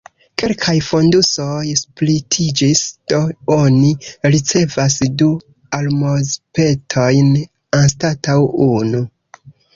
Kelkaj fondusoj splitiĝis, do oni ricevas du almozpetojn anstataŭ unu.